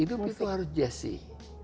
hidup itu harus jazz sih